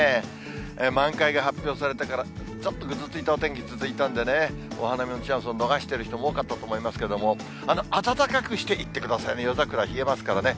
満開が発表されてから、ちょっとぐずついたお天気続いたんでね、お花見のチャンスを逃してる人も多かったと思いますけれども、暖かくしていってくださいね、夜桜は冷えますからね。